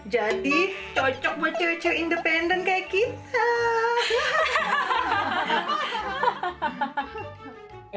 jadi cocok buat cewek cewek independen kayak kita